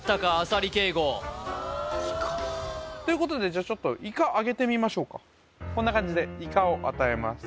浅利圭吾ということでちょっとイカあげてみましょうかこんな感じでイカを与えます